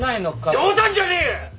冗談じゃねえ！